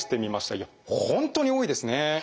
いや本当に多いですね。